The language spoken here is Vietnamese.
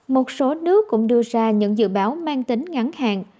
một số nước cũng đưa ra những dự báo mang tính ngắn hạn